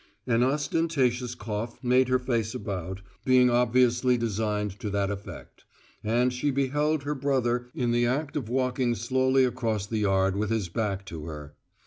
An ostentatious cough made her face about, being obviously designed to that effect; and she beheld her brother in the act of walking slowly across the yard with his back to her.